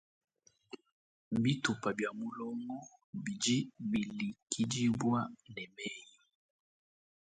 Bitupa bia mulongo bidi bilikidibwa ne meyi.